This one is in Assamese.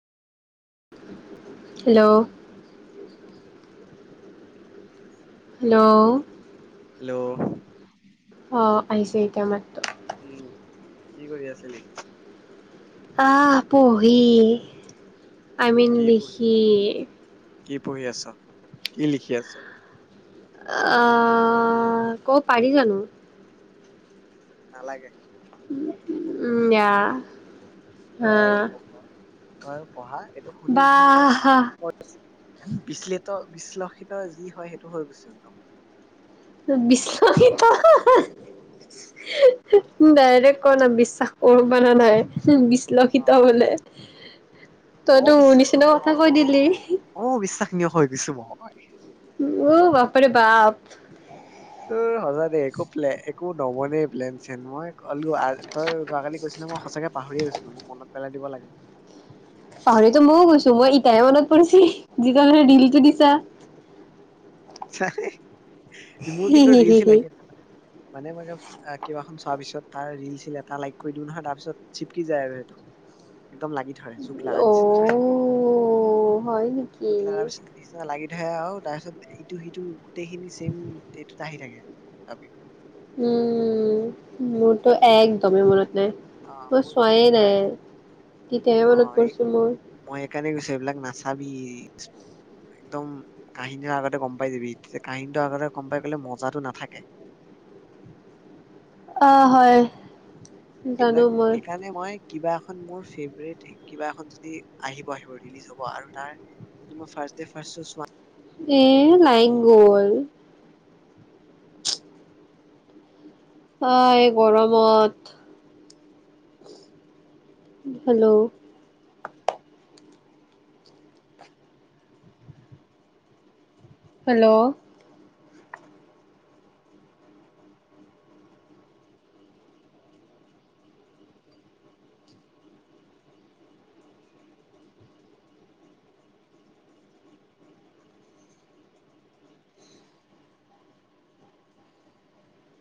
হেল্ল' হেল্ল' হেল্ল' হেল্ল' অ আহছে এতিয়া মাত্ৰ। উম কি কৰি আছিলি? আহ পহি। আই মিন কি পঢ়ি দেখি? কি পঢ়ি আছ কি লিখি আছ? আহ ক' পাৰি জানো। নালাগে? মই গম উম পাইছো বেয়া হম। হয় পঢ়া? এইটো শুনি বহুত মই বিশলিত। বিশ্লেষিত যি হয় সেইটো হৈ গৈছে নহ। বিশ্বাসিত ডাইৰেক্ ক না বিশ্বাস কৰো বা নাই। অ বিশ্লেষিত বোলে তইতো মোৰ নিচিনা অবিশ্বাসনীয় কথা কৈ দিলি অবিশ্বাসনীয় হৈ গৈছো মই হয়। উম বাপাৰে বাপ। উ সঁচা দে একো পে একো। নৱনে প্লেন চেন মই। হলো তই যোৱাকালি কৈছিলি মই সঁচাকে পাহৰি গৈছিলো। মোক মনত পেলাই দিব লাগে। পাহৰিতো ময়ো গৈছো মই এতিয়াহে মনত পৰিছে যিজে দিল টো দিছা। চা মোৰ হি কিন্তু হি ৰিলচ হি চিল হি আহি আছে মানে। মানে মই কেবাখন চোৱাৰ পিছত তাৰ ৰিল চিল এটা লাইক কৰি দিওঁ নহয় তাৰপিছত চিপকি যায় আৰুটো একদম লাগি। ধৰে জোক লগা নিচিনা। অ' হয় নেকি? জোক লগাৰ পিছত নিচিনা লাগি ধৰে আৰু তাৰপিছত সিটো সেইটো গোটেইখিনি চেইম এইটো ত আহি থাকে। তাবি উম মোৰ। তো মানে এফ আই একদমেই ডি মনত নাই অ মই মোৰ কিন্তু চোৱাই নাই। এফাই এতিয়াহে অ মনত এই পৰিছে মোৰ। আমি একদম কাহিনীটো আগতে গম পাই যাবি তেতিয়া কাহিনীটো আগতে গম পাই গলে মজাটো নাথাকে। অ হয় জানো এইবিলাক মই, সেইকাৰণে মই কিবা এখন মোৰ ফেভৰেট কিবা এখন যদি আহিব আহিব ৰিলিজ হ'ব আৰু তাৰ মই ফাৰ্ষ দে ফাৰ্চ চোৱা লাইংগল আ গৰমত হেল্ল' হেল্ল'